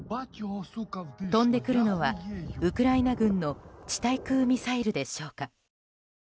飛んでくるのは、ウクライナ軍の地対空ミサイルでしょうか。